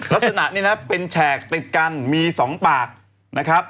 ลักษณะนี้เป็นแฉกติดกันมี๒ปาก